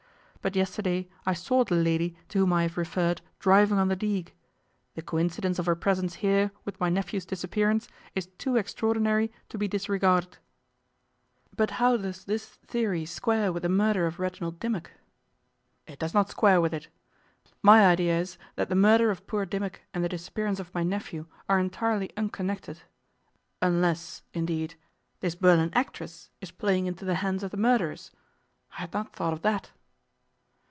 But yesterday I saw the lady to whom I have referred driving on the Digue. The coincidence of her presence here with my nephew's disappearance is too extraordinary to be disregarded.' 'But how does this theory square with the murder of Reginald Dimmock?' 'It does not square with it. My idea is that the murder of poor Dimmock and the disappearance of my nephew are entirely unconnected unless, indeed, this Berlin actress is playing into the hands of the murderers. I had not thought of that.